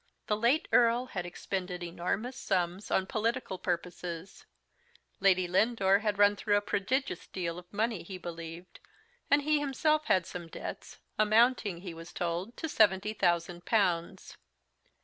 The late Earl had expended enormous sums on political purposes; Lady Lindore had run through a prodigious deal of money, he believed; and he himself had some debts, amounting, he was told, to seventy thousand pounds.